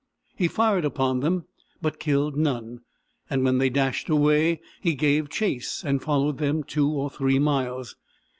He fired upon them, but killed none, and when they dashed away he gave chase and followed them 2 or 3 miles.